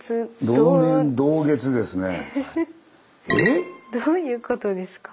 どういうことですか？